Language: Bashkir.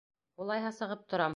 Улайһа сығып торам.